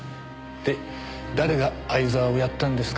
で誰が相沢をやったんですか？